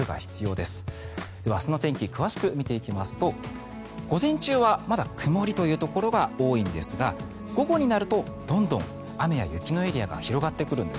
では、明日の天気詳しく見ていきますと午前中はまだ曇りというところが多いんですが午後になるとどんどん雨と雪のエリアが広がってくるんです。